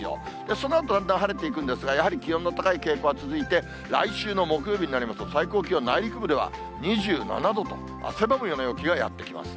そのあとだんだん晴れていくんですが、やはり気温の高い傾向は続いて、来週の木曜日になりますと、最高気温、内陸部では２７度と、汗ばむような陽気がやって来ます。